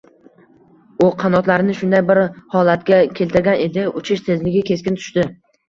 U qanotlarini shunday bir holatga keltirgan edi, uchish tezligi keskin tushdi